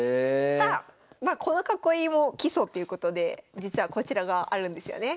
さあこの囲いも基礎ということで実はこちらがあるんですよね。